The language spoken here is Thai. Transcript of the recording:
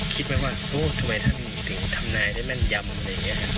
คิดไม่ว่าโอทำไมก็ทำนายได้แม่นยำ